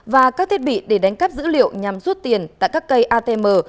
và các thiết bị để đánh cắp dữ liệu nhằm rút tiền tại các cây atm